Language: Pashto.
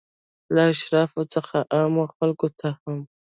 له اشرافو څخه عامو خلکو ته هم.